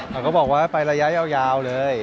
เขาก็บอกว่าไประยะยาวเลย